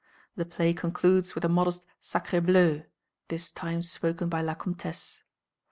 The play concludes with a modest sacrébleu, this time spoken by La Comtesse.